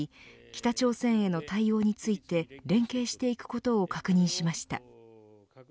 北朝鮮への対応について連携していくことを確認しました。